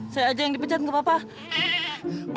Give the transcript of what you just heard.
saya aja yang dipecat gak apa apa